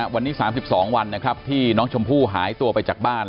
วันนี้๓๒วันที่น้องชมภูหายตัวไปจากบ้าน